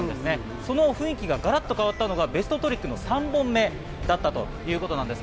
その雰囲気がガラッと変わったのがベストトリックの３本目だったということなんです。